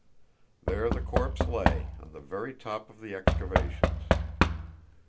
There the corpse lay, on the very top of the excavations.